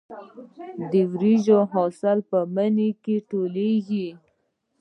د وریجو حاصل په مني کې ټولېږي.